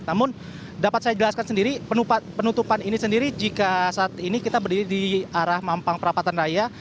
namun dapat saya jelaskan sendiri penutupan ini sendiri jika saat ini kita berdiri di arah mampang perapatan raya